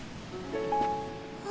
あ。